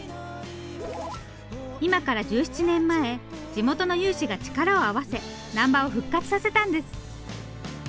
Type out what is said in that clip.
今から１７年前地元の有志が力を合わせナンバを復活させたんです。